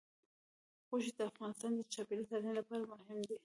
غوښې د افغانستان د چاپیریال ساتنې لپاره مهم دي.